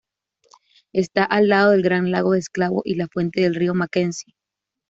Está al lado del Gran Lago del Esclavo y la fuente del río Mackenzie.